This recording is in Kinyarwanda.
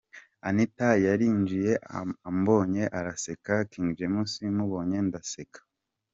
Anitha yarinjiye ambonye araseka, King James mubonye ndaseka.